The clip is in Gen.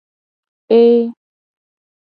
Ee.